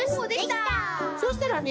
そうしたらね